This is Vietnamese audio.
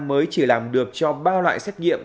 mới chỉ làm được cho ba loại xét nghiệm